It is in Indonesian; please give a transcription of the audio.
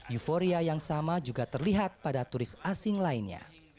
euforia yang sama juga terlihat pada turis asing lainnya